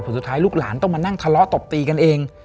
สุดท้ายลูกหลานต้องมานั่งทะเลาะตบตีกันเอง